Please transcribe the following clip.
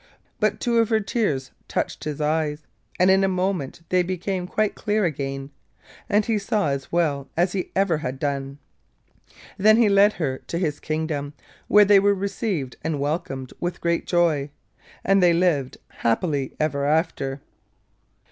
But two of her tears touched his eyes, and in a moment they became quite clear again, and he saw as well as he had ever done. Then he led her to his kingdom, where they were received and welcomed with great joy, and they lived happily ever after.